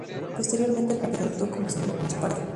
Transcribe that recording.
Posteriormente el partido adoptó como símbolo un oso pardo.